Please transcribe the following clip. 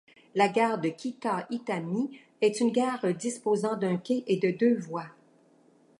La gare de Kita-Itami est une gare disposant d'un quai et de deux voies.